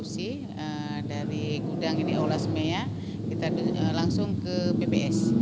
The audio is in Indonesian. dari gudang ini aulas meya kita langsung ke bps